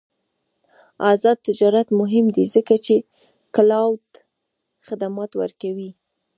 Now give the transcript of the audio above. آزاد تجارت مهم دی ځکه چې کلاؤډ خدمات ورکوي.